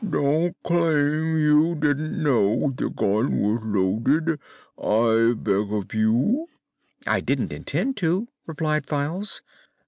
"Don't claim you didn't know the gun was loaded, I beg of you!" "I don't intend to," replied Files.